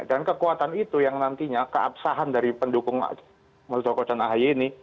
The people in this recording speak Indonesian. dan kekuatan itu yang nantinya keabsahan dari pendukung muldoko dan ahi ini